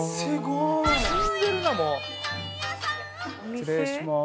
失礼します。